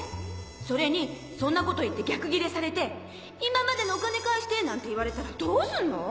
それにそんなこと言って逆ギレされて今までのお金返してなんて言われたらどうすんの？